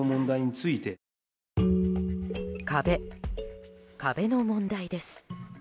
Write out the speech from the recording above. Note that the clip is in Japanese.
壁の問題です。